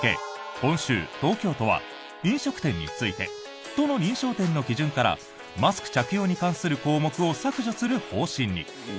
今週、東京都は飲食店について都の認証店の基準からマスク着用に関する項目を削除する方針に。